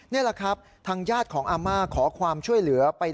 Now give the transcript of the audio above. นี่แหละครับทางญาติของอาม่าขอความช่วยเหลือ